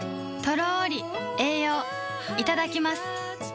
とろり栄養いただきます